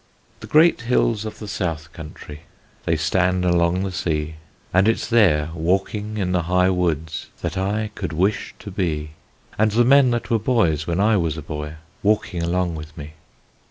The great hills of the South Country They stand along the sea: And it's there walking in the high woods That I could wish to be, And the men that were boys when I was a boy Walking along with me.